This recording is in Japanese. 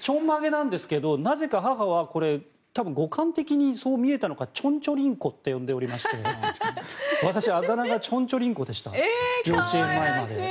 ちょんまげなんですけどなぜか母が語感的にそう見えたのかちょんちょりんこと呼んでおりまして私、あだ名がちょんちょりんこでした幼稚園まで。